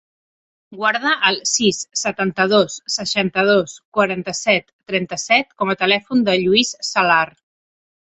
Guarda el sis, setanta-dos, seixanta-dos, quaranta-set, trenta-set com a telèfon del Lluís Salar.